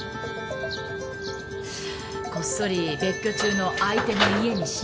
こっそり別居中の相手の家に忍び込んで。